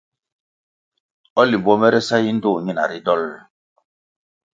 O Limbo mere sa yi ndtoh nyina ri dolʼ?